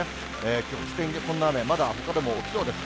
局地的にこんな雨、まだほかでも起きそうです。